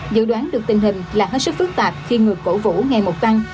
dự đoán được tình hình là hết sức phức tạp khi ngược cổ vũ ngày một tăng